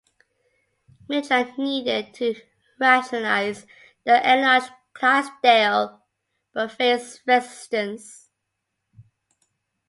Midland needed to rationalise the enlarged Clydesdale but faced resistance.